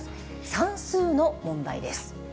算数の問題です。